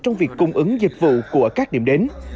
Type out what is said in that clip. trong việc cung ứng dịch vụ của các điểm đến